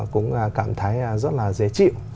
cũng cảm thấy rất là dễ chịu